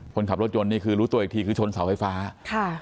คนขับรถยนต์นี่คือรู้ตัวอีกทีคือชนเสาไฟฟ้าค่ะ